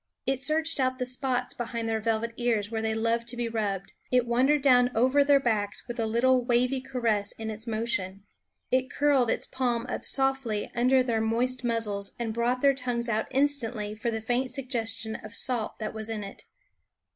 It searched out the spots behind their vel vet ears, where they love to be rubbed; it wandered down over their backs with a little wavy caress in its motion; it curled its palm up softly under their moist muzzles and brought their tongues out instantly for the faint suggestion of salt that was in it.